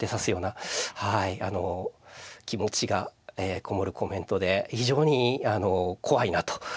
はいあの気持ちがこもるコメントで非常に怖いなと。